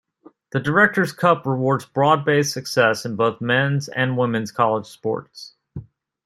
The Directors' Cup rewards broad-based success in both men's and women's college sports.